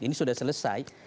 ini sudah selesai